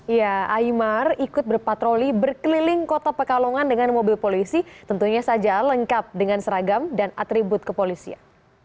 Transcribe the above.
ya aymar ikut berpatroli berkeliling kota pekalongan dengan mobil polisi tentunya saja lengkap dengan seragam dan atribut kepolisian